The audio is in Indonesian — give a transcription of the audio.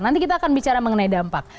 nanti kita akan bicara mengenai dampak